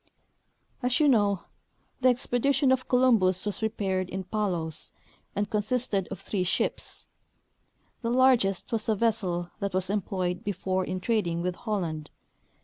As you know, the expedition of Columbus was prepared in Palos, and consisted of three ships. The largest was a vessel that was employed before in trading with Holland.